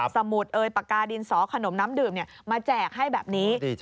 สมุดเอ่ยปากกาดินสอขนมน้ำดื่มมาแจกให้แบบนี้